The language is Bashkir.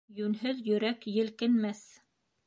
Йүнһеҙ йөрәк елкенмәҫ.